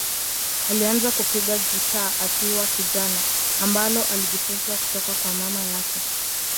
Alianza kupiga gitaa akiwa kijana, ambalo alijifunza kutoka kwa mama yake.